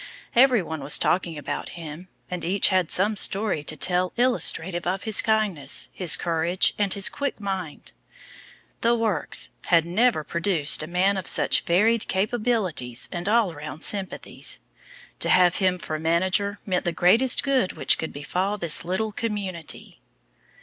Every one was talking about him, and each had some story to tell illustrative of his kindness, his courage and his quick mind. The Works had never produced a man of such varied capabilities and all round sympathies. To have him for manager meant the greatest good which could befall this little community.